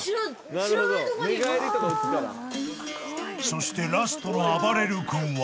［そしてラストのあばれる君は］